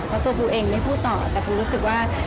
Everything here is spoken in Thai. เพราะตัวปูเองไม่พูดต่อแต่ปูรู้สึกว่า